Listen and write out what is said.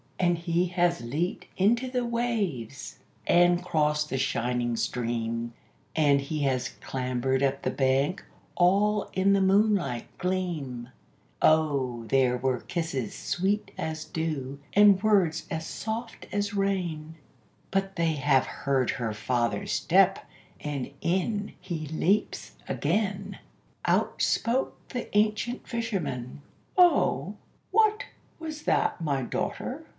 And he has leaped into the waves, and crossed the shining stream, And he has clambered up the bank, all in the moonlight gleam; O there were kisses sweet as dew, and words as soft as rain But they have heard her father's step, and in he leaps again! Out spoke the ancient fisherman "O what was that, my daughter?"